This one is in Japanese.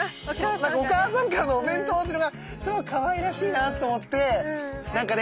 お母さんからのお弁当っていうのがすごいかわいらしいなと思ってなんかね